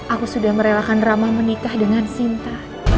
aku sudah merelakan ramah menikah dengan sinta